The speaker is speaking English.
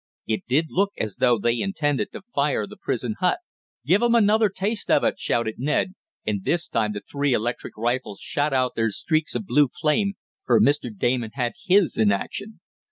It did look as though they intended to fire the prison hut. "Give 'em another taste of it!" shouted Ned, and this time the three electric rifles shot out their streaks of blue flame, for Mr. Damon had his in action.